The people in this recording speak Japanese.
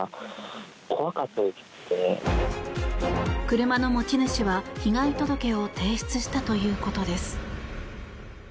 車の持ち主は、被害届を提出したということです。